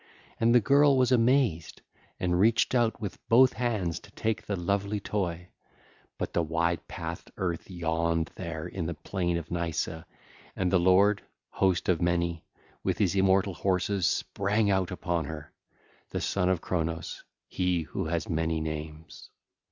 And the girl was amazed and reached out with both hands to take the lovely toy; but the wide pathed earth yawned there in the plain of Nysa, and the lord, Host of Many, with his immortal horses sprang out upon her—the Son of Cronos, He who has many names 2505.